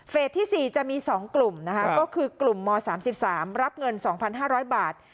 ที่๔จะมี๒กลุ่มนะคะก็คือกลุ่มม๓๓รับเงิน๒๕๐๐บาท